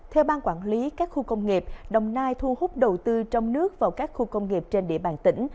theo ban quản lý các khu công nghiệp đồng nai thu hút đầu tư trong nước vào các khu công nghiệp trên địa bàn tỉnh